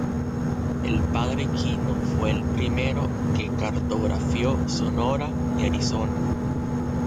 El Padre Kino fue el primero que cartografió Sonora y Arizona.